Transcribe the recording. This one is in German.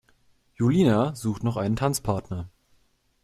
Julina sucht noch einen Tanzpartner.